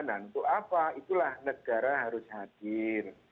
nah untuk apa itulah negara harus hadir